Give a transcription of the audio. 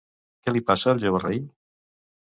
Què li passa al jove rei?